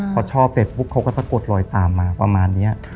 พอชอบเสร็จปุ๊บเขาก็สะกดลอยตามมาประมาณนี้